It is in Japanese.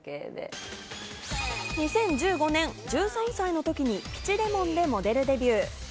２０１５年、１３歳の時に『ピチレモン』でモデルデビュー。